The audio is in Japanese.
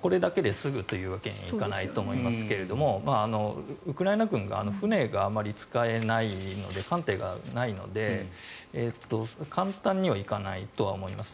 これだけですぐというわけにはいかないと思いますがウクライナ軍が船があまり使えないので艦艇がないので簡単にはいかないとは思います。